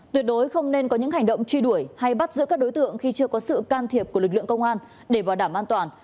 tuyệt đối không nên có những hành động truy đuổi hay bắt giữ các đối tượng khi chưa có sự can thiệp của lực lượng công an để bảo đảm an toàn